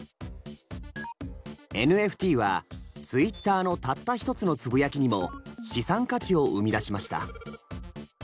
ＮＦＴはツイッターのたった一つのつぶやきにも資産価値を生み出しました。